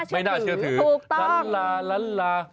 ไม่ค่อยน่าเชื่อถือถูกต้องตรงนี้ไม่น่าเชื่อถือ